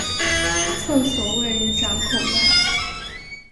厕所位于闸口外。